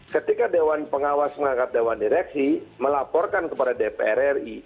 ketika dewan pengawas mengangkat dewan direksi melaporkan kepada dpr ri